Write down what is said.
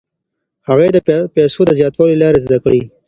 هغې د پیسو د زیاتولو لارې زده کړې وې.